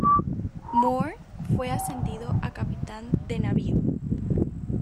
Moore fue ascendido a capitán de navío.